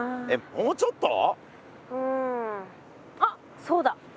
うんあっそうだ。